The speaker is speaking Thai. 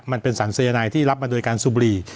มันเป็นสารสายนายที่รับมาโดยการสูบบุหรี่